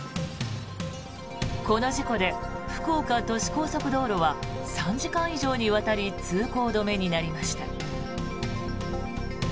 この事故で福岡都市高速道路は３時間以上にわたり通行止めになりました。